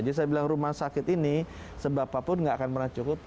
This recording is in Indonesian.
jadi saya bilang rumah sakit ini seberapapun tidak akan pernah cukup